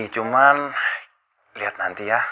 cuman liat nanti ya